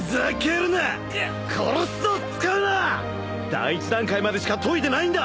第一段階までしか研いでないんだ！